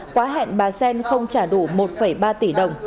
quá hẹn bà sen không trả đủ một ba tỷ đồng